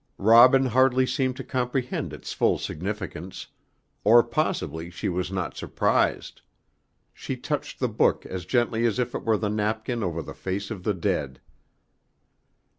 Robin hardly seemed to comprehend its full significance; or possibly she was not surprised. She touched the book as gently as if it were the napkin over the face of the dead.